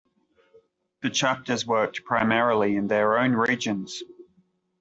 The chapters worked primarily in their own regions.